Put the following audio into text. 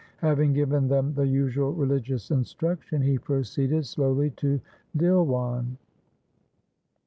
Having given them the usual religious instruction he proceeded slowly to Dhilwan.